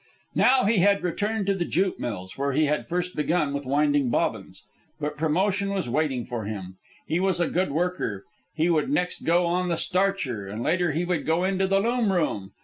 Now he had returned to the jute mills where he had first begun with winding bobbins. But promotion was waiting for him. He was a good worker. He would next go on the starcher, and later he would go into the loom room.